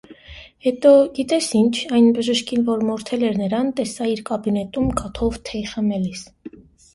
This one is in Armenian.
- Հետո, գիտե՞ս ինչ, այն բժշկին, որ մորթել էր նրան, տեսա իր կաբինետում կաթով թեյ խմելիս: